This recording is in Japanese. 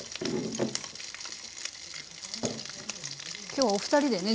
今日お二人でね